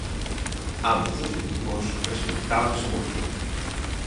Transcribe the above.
Ambos os equipos respectábanse moito.